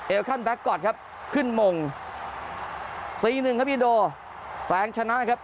คันแก๊กกอทครับขึ้นมงสี่หนึ่งครับอินโดแสงชนะครับ